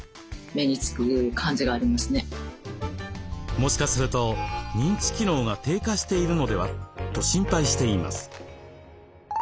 もしかすると認知機能が低下しているのでは？と心配しています。